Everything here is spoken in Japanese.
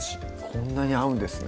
こんなに合うんですね